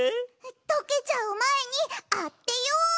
とけちゃうまえにあてよう！